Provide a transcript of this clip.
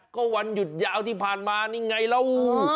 ก็วันหยุดยาวที่ผ่านมานี่ไงแล้ว